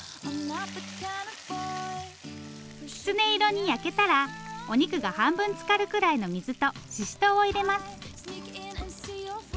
きつね色に焼けたらお肉が半分つかるくらいの水とししとうを入れます。